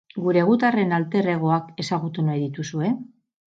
Gure gutarren alter-egoak ezagutu nahi dituzue?